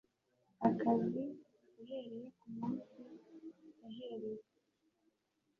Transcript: akazi uhereye ku munsi yaherewe